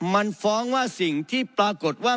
มันฟ้องว่าสิ่งที่ปรากฏว่า